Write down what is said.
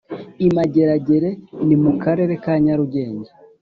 Imageragere ni mukarere ka nyarugenge